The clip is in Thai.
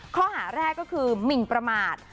ข้อหาแรกก็คือหมินประมาท